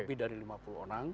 lebih dari lima puluh orang